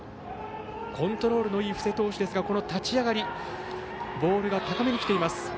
コントロールのいい布施投手ですがこの立ち上がりボールが高めにきています。